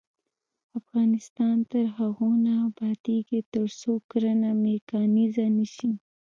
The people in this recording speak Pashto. افغانستان تر هغو نه ابادیږي، ترڅو کرنه میکانیزه نشي.